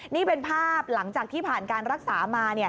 นี่เป็นภาพหลังจากที่ผ่านการรักษามา